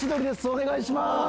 お願いします。